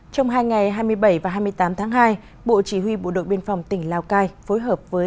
trong hai ngày hai mươi bảy và hai mươi tám tháng hai bộ chỉ huy bộ đội biên phòng tỉnh lào cai phối hợp với